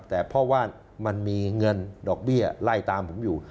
แต่เพราะว่ามันมีเงินดอกเบี้ยไล่ตามผมอยู่